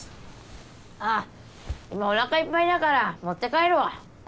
ああ今おなかいっぱいだから持って帰るわ。